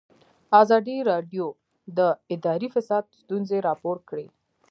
ازادي راډیو د اداري فساد ستونزې راپور کړي.